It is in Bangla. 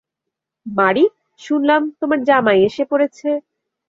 মারি, শুনলাম তোমার জামাই এসে পড়েছে।